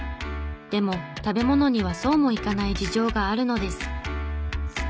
でも食べ物にはそうもいかない事情があるのです。